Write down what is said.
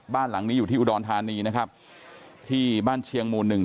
บ้านหลังนี้อยู่ที่อุดรธานีนะครับที่บ้านเชียงหมู่หนึ่ง